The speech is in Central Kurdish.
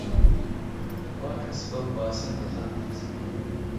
با کەس بەم باسە نەزانێت